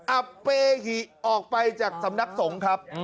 อับเปหิออกไปจากสำนักสงฆ์ครับ